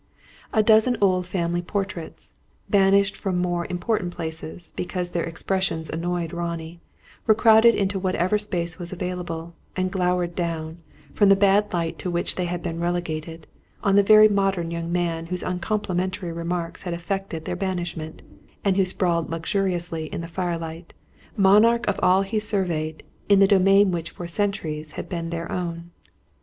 A dozen old family portraits banished from more important places, because their expressions annoyed Ronnie were crowded into whatever space was available, and glowered down, from the bad light to which they had been relegated, on the very modern young man whose uncomplimentary remarks had effected their banishment, and who sprawled luxuriously in the firelight, monarch of all he surveyed, in the domain which for centuries had been their own.